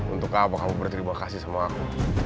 untuk apa kamu berterima kasih sama aku